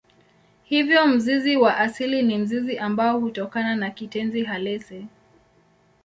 Hivyo mzizi wa asili ni mzizi ambao hutokana na kitenzi halisi.